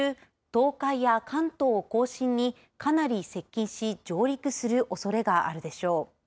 東海や関東甲信にかなり接近し上陸するおそれがあるでしょう。